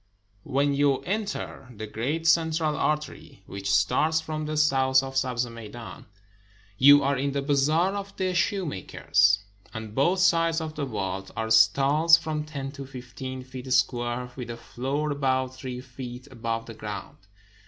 When you enter the great central artery, which starts from the south of the Sabz Meidan, you are in the Bazaar of the Shoemakers. On both sides of the vault are stalls, from ten to fifteen feet square, with a floor about three feet above the ground.